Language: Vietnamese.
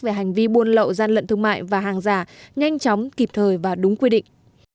về hành vi buôn lậu gian lận thương mại và hàng giả nhanh chóng kịp thời và đúng quy định